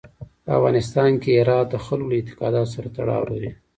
په افغانستان کې هرات د خلکو له اعتقاداتو سره تړاو لري.